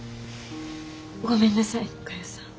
ごめんなさいかよさん。